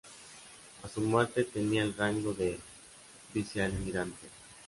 A su muerte, tenía el rango de vicealmirante.